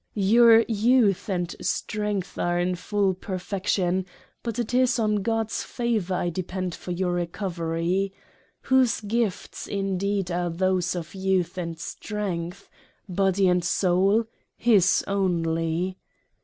Your Youth and Strength are in full Perfection, but 'tis on God's favour I depend for your Recovery. Whose Gifts indeed are those of Y T outh and Strength? Body and Soul? his only.